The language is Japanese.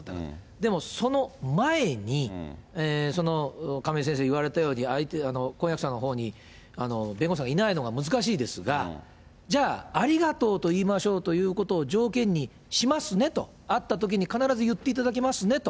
でも、その前に、亀井先生言われたように、婚約者のほうに弁護士さんがいないのが難しいですが、じゃあ、ありがとうと言いましょうということを条件にしますねと、会ったときに必ず言っていただけますねと。